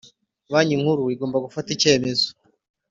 Banki Nkuru igomba gufata icyemezo.